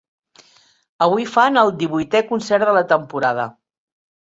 Avui fan el divuitè concert de la temporada.